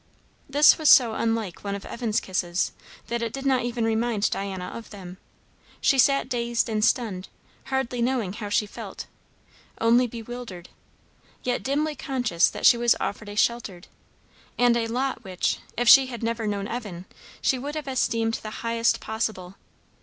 This was so unlike one of Evan's kisses, that it did not even remind Diana of them. She sat dazed and stunned, hardly knowing how she felt, only bewildered; yet dimly conscious that she was offered a shelter, and a lot which, if she had never known Evan, she would have esteemed the highest possible.